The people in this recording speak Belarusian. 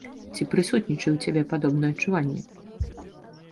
Ці прысутнічае ў цябе падобнае адчуванне?